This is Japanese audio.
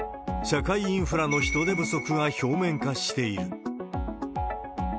社会インフラの人手不足が表面化している。